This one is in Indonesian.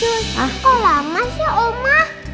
ancur kok lama sih oma